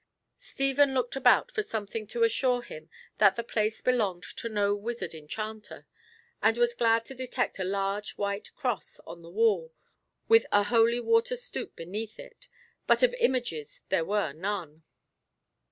Stephen looked about for something to assure him that the place belonged to no wizard enchanter, and was glad to detect a large white cross on the wall, with a holy water stoup beneath it, but of images there were none.